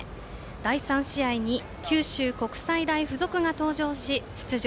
第３試合に九州国際大付属が登場し出場